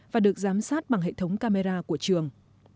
và được giám sát bằng hệ thống camera của trường